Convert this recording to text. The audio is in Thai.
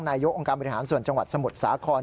นายกองค์การบริหารส่วนจังหวัดสมุทรสาคร